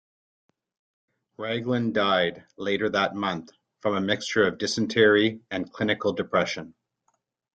Raglan died later that month from a mixture of dysentery and clinical depression.